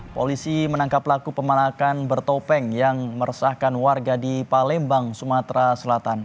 polisi menangkap pelaku pemanakan bertopeng yang meresahkan warga di palembang sumatera selatan